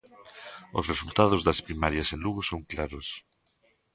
Os resultados das primarias en Lugo son claros.